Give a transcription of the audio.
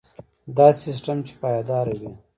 داسې سیستم چې پایدار وي.